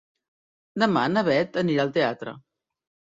Demà na Beth anirà al teatre.